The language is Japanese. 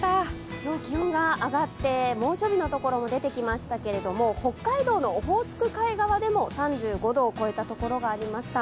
今日、気温が上がって猛暑日のところも出てきましたけども、北海道のオホーツク海側でも３５度を超えたところがありました。